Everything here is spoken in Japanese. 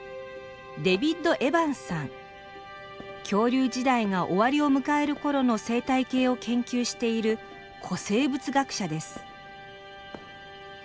恐竜時代が終わりを迎える頃の生態系を研究している古生物学者です。